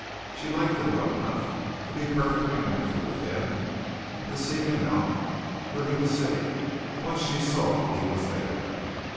She liked him well enough to be perfectly natural with him and to seek him out where he was sitting once she saw he was there.